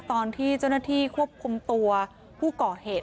ตอนที่เจ้าหน้าที่ควบคุมตัวผู้ก่อเหตุ